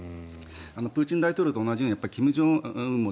プーチン大統領と同じように金正恩も